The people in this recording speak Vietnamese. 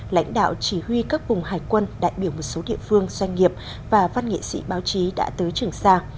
lãnh đạo chỉ huy các vùng hải quân đại biểu một số địa phương doanh nghiệp và văn nghệ sĩ báo chí đã tới trường sa